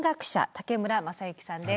武村雅之さんです。